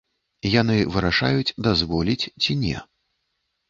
Яны вырашаюць, дазволіць ці не.